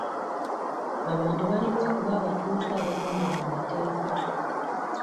Abantu balina okuba abatuuze abagondera amateeka.